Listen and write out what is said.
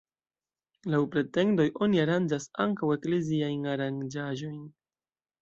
Laŭ pretendoj oni aranĝas ankaŭ ekleziajn aranĝaĵojn.